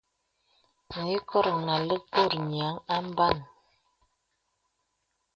Mì ìkòrōŋ nà àlə̀k bô nīaŋ à mbānə.